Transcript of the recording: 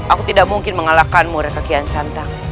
aku tidak mungkin mengalahkanmu raih kekian santang